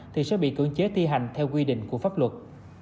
thì sẽ bị cưỡng chế thi hành theo quy định của pháp luật